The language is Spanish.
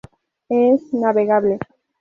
Es navegable.